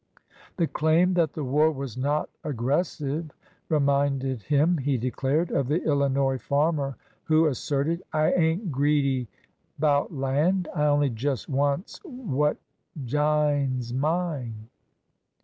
The claim that the war was not aggres sive reminded him, he declared, of the Illinois farmer who asserted: "I ain't greedy 'bout land. I only just wants what jines mine."